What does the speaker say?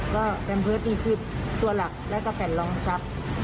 ก็แบมเฟิร์สนี่คือตัวหลักและกระแฟนรองซับ